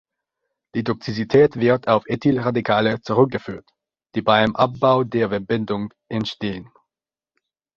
Die Toxizität wird auf Ethyl-Radikale zurückgeführt, die beim Abbau der Verbindung entstehen.